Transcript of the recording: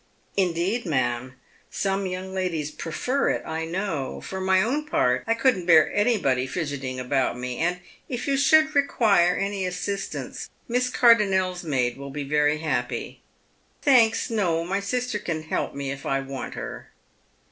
" Indeed, ma'am. Some young ladies prefer it, I know. For my own part I couldn't bear anybody fidgeting about me. And if you should require any assistance Miss Cardonnel's maid will be very happy." "Thanks, no, my sister can help me if I want her."